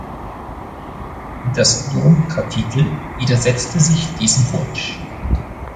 Das Domkapitel widersetzte sich diesem Wunsch.